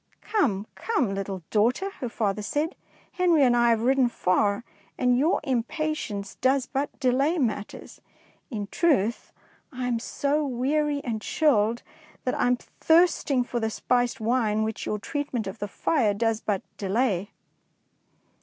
''Come, come, little daughter," her father said, " Henry and I have ridden far, and your impatience does but de lay matters. In truth, I am so weary and chilled that I am thirsting for the 227 DEEDS OF DAEING spiced wine, which your treatment of the fire does but delay."